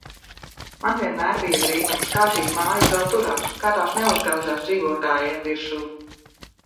Man vienmēr bija brīnums, kā šīs mājas vēl turās, kā tās neuzgāžās dzīvotājiem virsū.